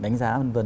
đánh giá v v